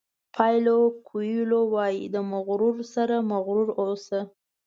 پایلو کویلو وایي د مغرورو سره مغرور اوسه.